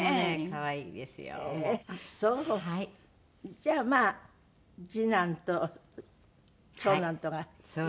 じゃあまあ次男と長男とがいるから。